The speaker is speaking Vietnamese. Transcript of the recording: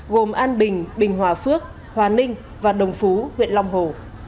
gồm an bình bình hòa phước hòa ninh và đồng phú huyện long hồ